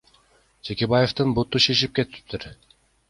Текебаевдин буту шишип кетиптир.